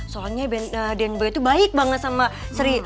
soalnya aden boy tuh baik banget sama sri